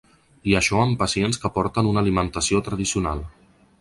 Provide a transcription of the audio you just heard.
I això amb pacients que porten una alimentació tradicional.